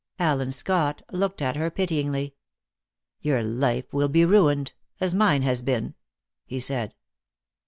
Allen Scott looked at her pityingly. "Your life will be ruined, as mine has been," he said.